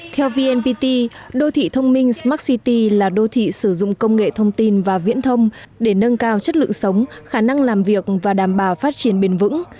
theo vnpt đô thị thông minh smart city là đô thị sử dụng công nghệ thông tin và viễn thông để nâng cao chất lượng sống khả năng làm việc và đảm bảo phát triển bền vững